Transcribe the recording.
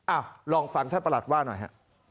อ่ะลองฟังท่านประหลัดว่าน่ะ